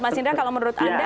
mas indra kalau menurut anda